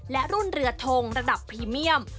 และรุ่นเรือทงระดับพรีเมียม